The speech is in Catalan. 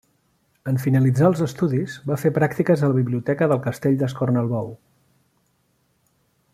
En finalitzar els estudis va fer pràctiques a la biblioteca del castell d'Escornalbou.